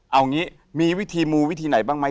เอางี้มีวิธีมูวิธีไหนบ้างไหม